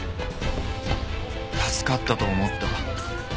助かったと思った。